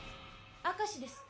・明石です。